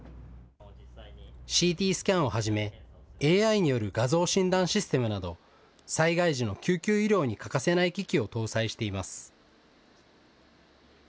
ＣＴスキャンをはじめＡＩによる画像診断システムなど災害時の救急医療に欠かせない機器を搭載しています。